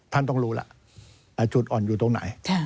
ท่านต้องรู้ล่ะจุดอ่อนอยู่ตรงไหน